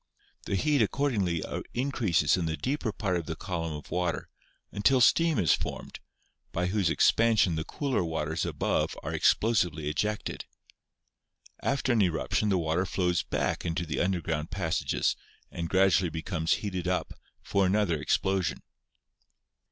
The heat accordingly increases in the deeper part of the column of water, until steam is formed, by whose expansion the cooler waters above are explosively ejected. After an eruption the water flows back into the underground pas sages and gradually becomes heated up for another ex plosion.